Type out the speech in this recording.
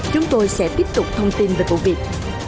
chúng tôi sẽ tiếp tục thông tin về vụ việc